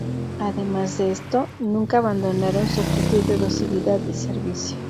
Además de esto, nunca abandonaron su actitud de docilidad y servicio.